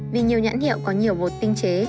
vì nhiều nhãn hiệu có nhiều bột tinh chế